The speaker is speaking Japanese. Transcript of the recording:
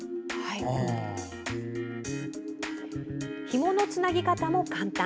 ひものつなぎ方も簡単。